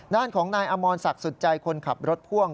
ด้านของนายอมรศักดิ์สุดใจคนขับรถพ่วง